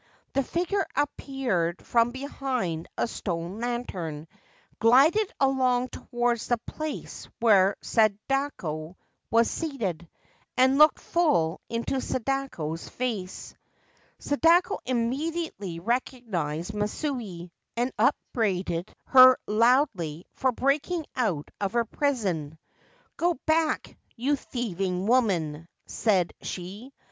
The figure appeared from behind a stone lantern, glided along towards the place where Sadako was seated, and looked full into Sadako's face. 333 Ancient Tales and Folklore of Japan Sadako immediately recognised Matsue, and upbraided her loudly for breaking out of her prison. ' Go back, you thieving woman !' said she.